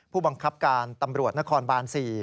ผู้บังคับการตำรวจนครบาน๔